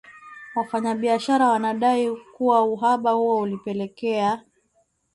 Wafanyabiashara wanadai kuwa uhaba huo ulipelekea